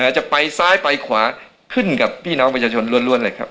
จะไปซ้ายไปขวาขึ้นกับพี่น้องประชาชนล้วนเลยครับ